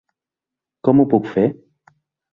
Com ho puc fer?